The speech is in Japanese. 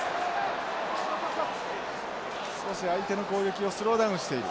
少し相手の攻撃をスローダウンしている。